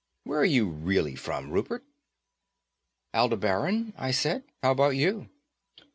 Where are you really from, Rupert?" "Aldebaran," I said. "How about you?"